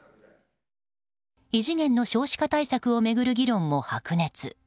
異次元の少子化対策を巡る議論も白熱。